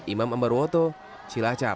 imam ambar woto cilacap